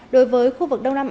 đối với khu vực đông nam á